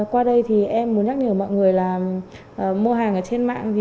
qua đây em muốn nhắc nhở mọi người là mua hàng trên mạng